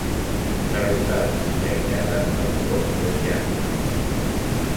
Derrotada i aïllada de la cort prussiana.